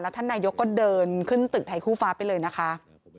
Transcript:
ท่านนายกก็เดินขึ้นตึกไทยคู่ฟ้าไปเลยนะคะ